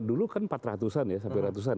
dulu kan empat ratus an ya sampai ratusan